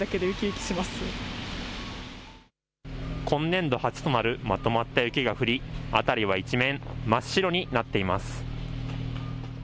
今年度初となるまとまった雪が降り辺りは一面真っ白になっています。